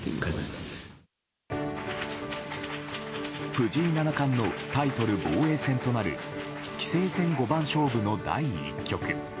藤井七冠のタイトル防衛戦となる棋聖戦五番勝負の第１局。